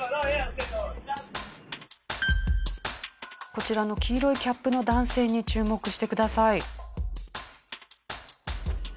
こちらの黄色いキャップの男性に注目してください。